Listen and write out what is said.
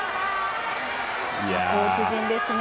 コーチ陣ですね。